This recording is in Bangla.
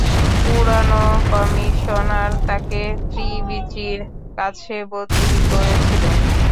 পুরানো কমিশনার তাকে ত্রিচির কাছে বদলি করেছিল।